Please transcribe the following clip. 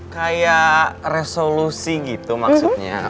kayak resolusi gitu maksudnya